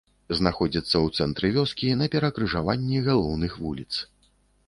Знаходзіцца ў цэнтры вёскі на перакрыжаванні галоўных вуліц.